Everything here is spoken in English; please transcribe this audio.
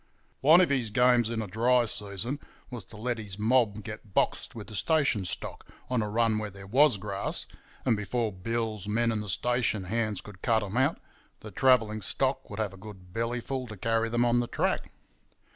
One of his games in a dry season was to let his mob get boxed with the station stock on a run where there was grass, and before Bill's men and the station hands could cut 'em out, the travelling stock would have a good bellyful to carry them on the track.